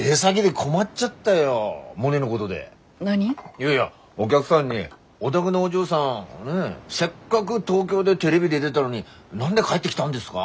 いやいやお客さんに「お宅のお嬢さんせっかぐ東京でテレビ出でだのに何で帰ってきたんですか？